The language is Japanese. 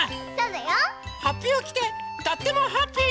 はっぴをきてとってもハッピー！